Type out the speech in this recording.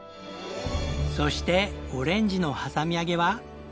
そしてオレンジのはさみ揚げは。